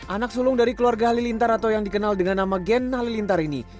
anak sulung dari keluarga halilintar atau yang dikenal dengan nama gen halilintar ini